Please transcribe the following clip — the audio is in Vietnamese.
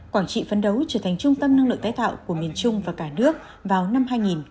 quảng trị phấn đấu trở thành trung tâm năng lượng tái tạo của miền trung và cả nước vào năm hai nghìn ba mươi